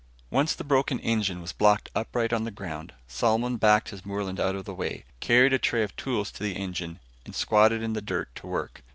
Once the broken engine was blocked upright on the ground, Solomon backed his Moreland out of the way, carried a tray of tools to the engine and squatted in the dirt to work.